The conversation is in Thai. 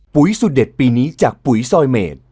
สุดเด็ดปีนี้จากปุ๋ยซอยเมด